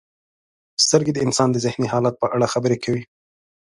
• سترګې د انسان د ذهني حالت په اړه خبرې کوي.